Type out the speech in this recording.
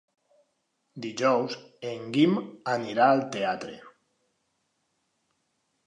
Dijous en Guim anirà al teatre.